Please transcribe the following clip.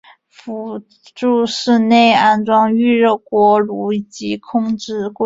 辅助室内安装预热锅炉及其控制柜。